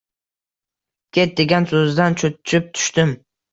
Ket degan soʻzidan choʻchib tushdim